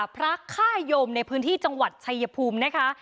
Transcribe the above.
พระฆ่ายมในพื้นที่จังหวัดชายภูมินะคะ